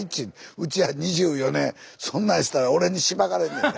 うちは２４年そんなんしたら俺にシバかれんねん。